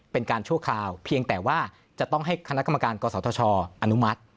เป็นการชั่วคราวเพียงแต่ว่าจะต้องให้คณะกรรมการกศธชอนุมัติ